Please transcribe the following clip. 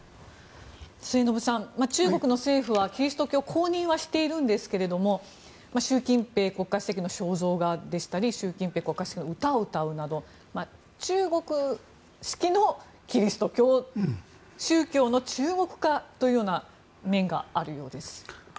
末延さん、中国の政府はキリスト教を公認はしてるんですが習近平国家主席の肖像画でしたり習近平国家主席の歌を歌うなど中国式のキリスト教宗教の中国化というような面があるようです。